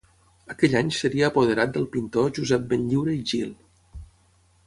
Aquell any seria apoderat del pintor Josep Benlliure i Gil.